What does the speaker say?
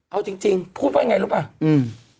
เอาจริงพูดว่าอย่างไรรู้หรือเปล่า